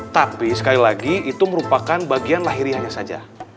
tapi sekali lagi itu merupakan bagian lahiriahnya saja